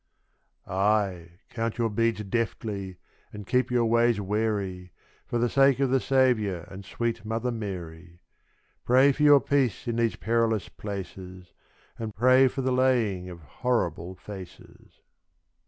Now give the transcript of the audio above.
Ay, count your beads deftly, and keep your ways wary, For the sake of the Saviour and sweet Mother Mary. Pray for your peace in these perilous places, And pray for the laying of horrible faces.